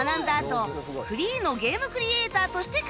フリーのゲームクリエイターとして活躍